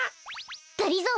がりぞー。